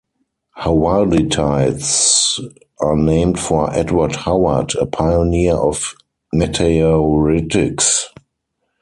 Howardites are named for Edward Howard, a pioneer of meteoritics.